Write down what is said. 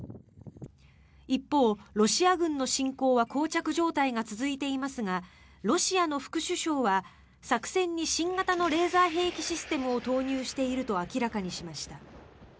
一方、ロシア軍の侵攻はこう着状態が続いていますがロシアの副首相は、作戦に新型のレーザー兵器システムを投入していると明らかにしました。